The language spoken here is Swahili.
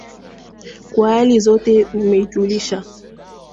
Kwa hali zote umenijulisha